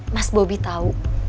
mas bobi tau